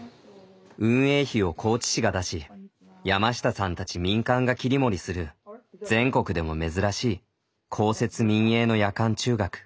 運営費を高知市が出し山下さんたち民間が切り盛りする全国でも珍しい公設民営の夜間中学。